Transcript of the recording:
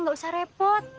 nggak usah repot